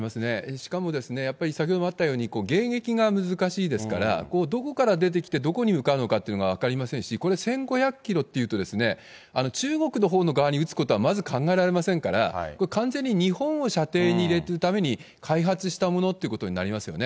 しかも、やっぱり先ほどもあったように、迎撃が難しいですから、どこから出てきてどこに向かうのかっていうのが分かりませんし、これ、１５００キロっていうとですね、中国のほうの側に撃つことはまず考えられませんから、完全に日本を射程に入れるために開発したものっていうことになりますよね。